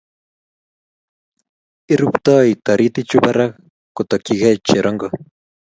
Irubtoi toritichu barak kotokchigei cherongo.